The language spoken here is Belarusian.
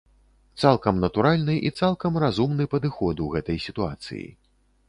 Цалкам натуральны і цалкам разумны падыход у гэтай сітуацыі.